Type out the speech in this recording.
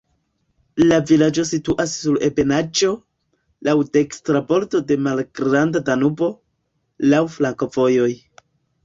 La vilaĝo situas sur ebenaĵo, laŭ dekstra bordo de Malgranda Danubo, laŭ flankovojoj.